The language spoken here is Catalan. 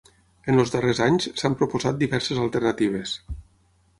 En els darrers anys s'han proposat diverses alternatives.